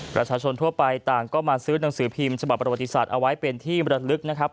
ประชาชนทั่วไปต่างก็มาซื้อหนังสือพิมพ์ฉบับประวัติศาสตร์เอาไว้เป็นที่มรลึกนะครับ